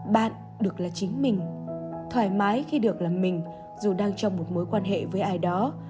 bạn được là chính mình thoải mái khi được làm mình dù đang trong một mối quan hệ với ai đó